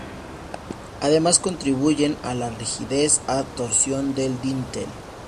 Además contribuyen a la rigidez a torsión del dintel.